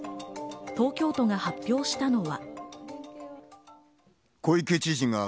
東京都が発表したのは。